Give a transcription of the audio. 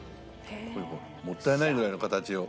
もったいないぐらいの形を。